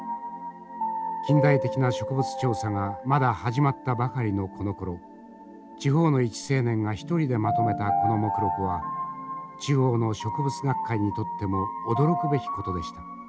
近代的な植物調査がまだ始まったばかりのこのころ地方の一青年が一人でまとめたこの目録は中央の植物学会にとっても驚くべきことでした。